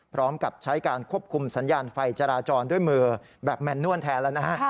พร้อมกับใช้การควบคุมสัญญาณไฟจราจรด้วยมือแบบแมนนวลแทนแล้วนะฮะ